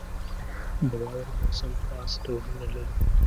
• د واورې موسم خاص ډولونه لري.